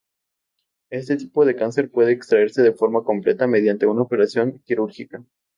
Este tipo de cáncer puede extraerse de forma completa mediante una operación quirúrgica.